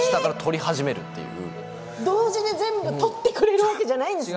同時に全部撮ってくれるわけじゃないんですね？